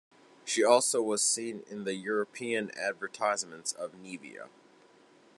She also was seen in the European advertisements of Nivea.